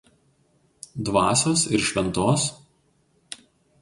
Dvasios ir šv.